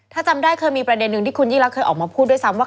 ถ้าจำได้เคยมีประเด็นหนึ่งที่คุณยิ่งรักเคยออกมาพูดด้วยซ้ำว่า